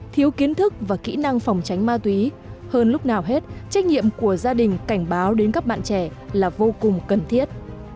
thiếu kiến thức và kỹ năng phòng tránh ma túy hơn lúc nào hết trách nhiệm của gia đình cảnh báo đến các bạn trẻ là vô cùng cần thiết